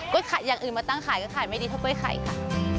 กล้วยไข่อย่างอื่นมาตั้งขายกล้วยไข่ไม่ดีเท่ากล้วยไข่ค่ะ